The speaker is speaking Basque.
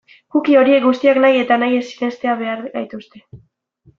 Cookie horiek guztiak nahi eta nahi ez irenstera behartzen gaituzte.